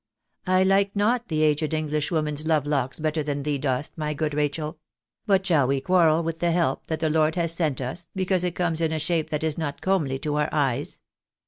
I like not the aged Englishwoman's love locks better than thee dost, my good Rachel ; but shall we quarrel with the help that the Lord has sent us, because it comes in a shape that is not comely to our eyes